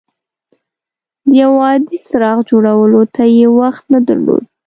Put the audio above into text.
د یو عادي څراغ جوړولو ته یې وخت نه درلود.